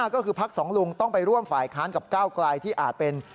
ก็คือพักสองลุงต้องไปร่วมฝ่ายค้านกับก้าวไกลที่อาจเป็น